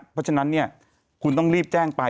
เพราะฉะนั้นคุณต้องรีบแจ้งไป